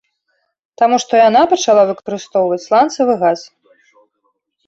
Таму што яна пачала выкарыстоўваць сланцавы газ.